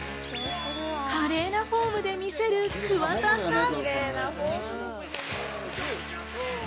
華麗なフォームで見せる桑田さん。